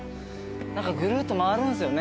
何かぐるっと回るんですよね。